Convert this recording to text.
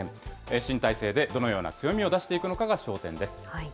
新体制でどのような強みを出していくのか、焦点です。